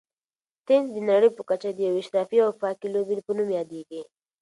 تېنس د نړۍ په کچه د یوې اشرافي او پاکې لوبې په نوم یادیږي.